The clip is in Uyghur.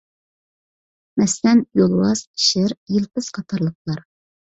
مەسىلەن: يولۋاس، شىر، يىلپىز قاتارلىقلار.